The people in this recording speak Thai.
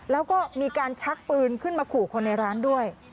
แล้วก็มีการชักปืนขึ้นมาขู่คนในร้านด้วย